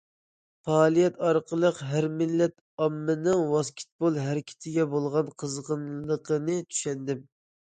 پائالىيەت ئارقىلىق ھەر مىللەت ئاممىنىڭ ۋاسكېتبول ھەرىكىتىگە بولغان قىزغىنلىقىنى چۈشەندىم.